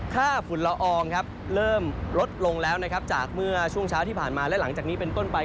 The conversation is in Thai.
ฝุ่นละอองครับเริ่มลดลงแล้วนะครับจากเมื่อช่วงเช้าที่ผ่านมาและหลังจากนี้เป็นต้นไป